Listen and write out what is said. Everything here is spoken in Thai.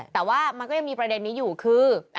แต่ว่ามันก็ยังมีประเด็นนี้อยู่คือ